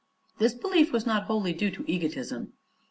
This belief was not wholly due to egotism.